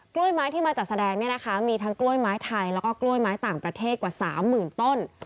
ไม้ที่มาจัดแสดงเนี่ยนะคะมีทั้งกล้วยไม้ไทยแล้วก็กล้วยไม้ต่างประเทศกว่า๓๐๐๐ต้น